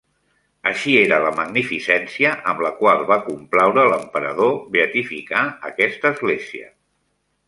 Així era la magnificència amb la qual va complaure l'emperador beatificar aquesta església.